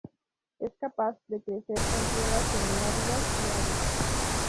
Es capaz de crecer en tierras semiáridas y áridas.